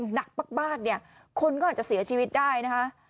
หนักมากเนี่ยคนก็อาจจะเสียชีวิตได้นะคะ